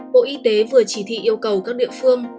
bộ y tế vừa chỉ thị yêu cầu các địa phương